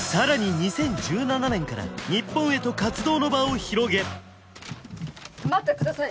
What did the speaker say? ２０１７年から日本へと活動の場を広げ待ってください